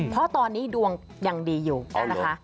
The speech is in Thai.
เพราะตอนนี้ดวงยังดีอยู่นะคะ